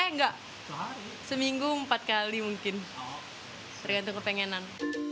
enggak seminggu empat kali mungkin tergantung kepengenan